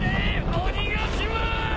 鬼ヶ島！